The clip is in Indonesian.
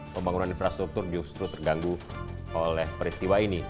pembangunan infrastruktur justru terganggu oleh peristiwa ini